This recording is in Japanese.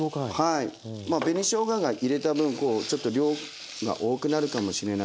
紅しょうがが入れた分ちょっと量が多くなるかもしれないですね。